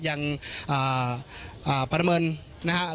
ยังประเมินนะครับ